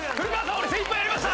俺精いっぱいやりました！